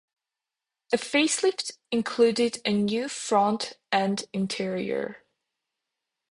The facelift included a new front and interior.